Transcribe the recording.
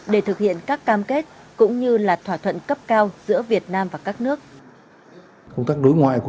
để thực hiện các cam kết cũng như là thỏa thuận cấp cao giữa việt nam và các nước